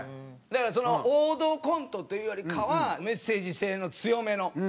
だから王道コントというよりかはメッセージ性の強めの。